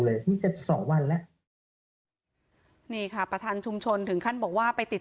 เพิ่งจะสองวันแล้วนี่ค่ะประธานชุมชนถึงขั้นบอกว่าไปติด